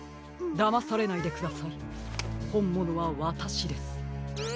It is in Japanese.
だまされないでくださいほんものはわたしです。